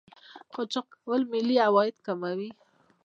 قاچاق کول ملي عواید کموي.